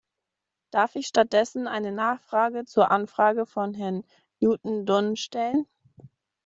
Darf ich stattdessen eine Nachfrage zur Anfrage von Herrn Newton Dunn stellen?